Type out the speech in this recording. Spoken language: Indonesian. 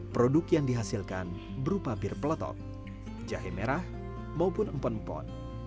produk yang dihasilkan berupa bir peletop jahe merah maupun empon empon